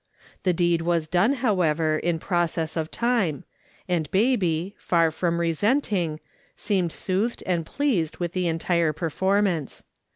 The deed was done, however, in process of time, and baby, far from resenting, seemed soothed and pleased with the entire perform ance.